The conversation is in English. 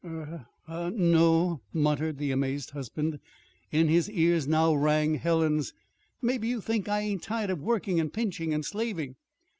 "Er ah n no," muttered the amazed husband. In his ears now rang Helen's "Maybe you think I ain't tired of working and pinching and slaving!"